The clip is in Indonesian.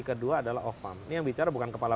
kedua adalah off farm ini yang bicara bukan kepala